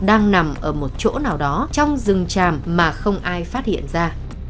đang nằm ở một chỗ nào đó trong rừng tràm mà không ai phát hiện ra